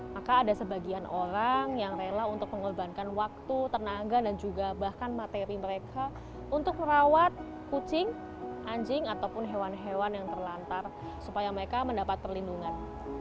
maka ada sebagian orang yang rela untuk mengorbankan waktu tenaga dan juga bahkan materi mereka untuk merawat kucing anjing ataupun hewan hewan yang terlantar supaya mereka mendapat perlindungan